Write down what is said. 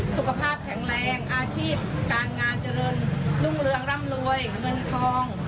สุขภาพแข็งแรงอาชีพการงานเจริญรุ่งเรืองร่ำรวยเงินทอง